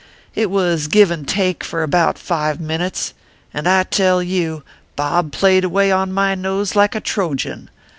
It was give and take for about five minutes ; and, I tell you, Bob played away on my nose like a Trojan.